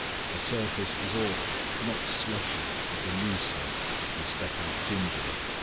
"The surface is awful!—not slushy, but elusive. You step out gingerly.